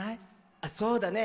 あっそうだね。